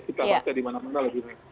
kita percaya dimana mana lagi